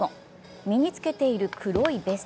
身に着けている黒いベスト